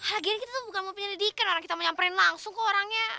akhirnya kita tuh bukan mau penyelidikan orang kita nyamperin langsung ke orangnya